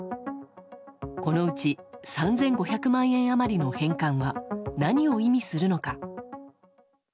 このうち３５００万円余りの返還は何を意味するのか。